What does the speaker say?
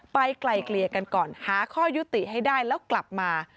ไกลเกลี่ยกันก่อนหาข้อยุติให้ได้แล้วกลับมา